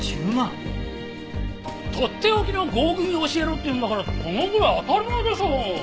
とっておきの合組を教えろって言うんだからそのぐらい当たり前でしょう。